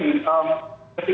jadi terdapat orang orang mungkin